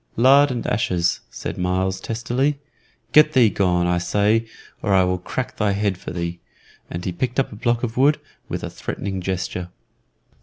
"Lard and ashes," said Myles, testily. "Get thee gone, I say, or I will crack thy head for thee;" and he picked up a block of wood, with a threatening gesture.